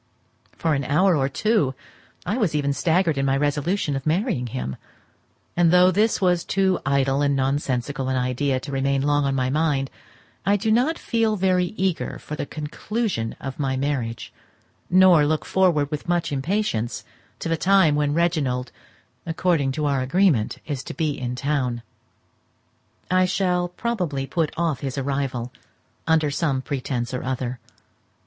For an hour or two I was even staggered in my resolution of marrying him, and though this was too idle and nonsensical an idea to remain long on my mind, I do not feel very eager for the conclusion of my marriage, nor look forward with much impatience to the time when Reginald, according to our agreement, is to be in town. I shall probably put off his arrival under some pretence or other.